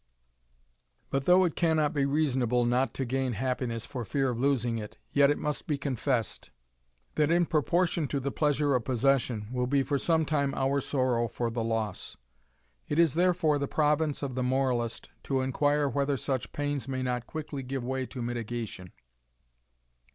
But though it cannot be reasonable not to gain happiness for fear of losing it, yet it must be confessed, that in 68 THE RAMBLER. proportion to the pleasure of possession, will be for some time our sorrow for the loss ; it is therefore the province of the moralist to enquire whether such pains may not quickly give way to mitigation.